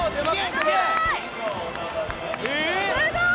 すごーい！